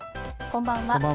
こんばんは。